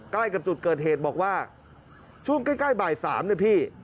ใกล้กับจุดเกิดเหตุบอกว่าช่วงใกล้บ่าย๓นะพี่